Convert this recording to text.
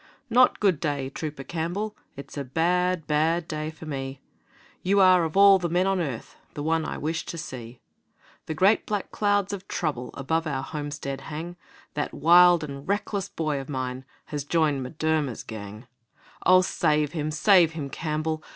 'Not good day, Trooper Campbell, It's a bad, bad day for me You are of all the men on earth The one I wished to see. The great black clouds of trouble Above our homestead hang; That wild and reckless boy of mine Has joined M'Durmer's gang. 'Oh! save him, save him, Campbell!